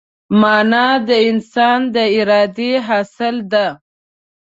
مانا د انسان د ارادې حاصل ده.